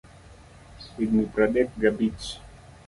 Higni pradek ga abich.